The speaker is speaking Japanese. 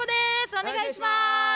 お願いします。